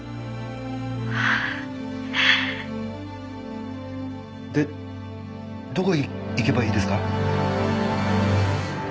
「ああ」でどこに行けばいいですか？